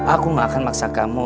aku gak akan maksa kamu